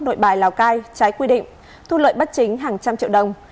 nội bài lào cai trái quy định thu lợi bất chính hàng trăm triệu đồng